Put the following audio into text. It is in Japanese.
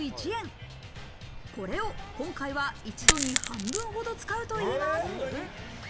これを今回は一度に半分ほど使うといいます。